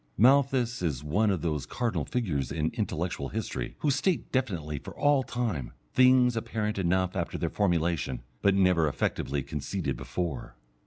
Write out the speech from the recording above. Malthus is one of those cardinal figures in intellectual history who state definitely for all time, things apparent enough after their formulation, but never effectively conceded before.